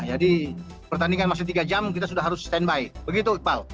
jadi pertandingan masih tiga jam kita sudah harus stand by begitu iqbal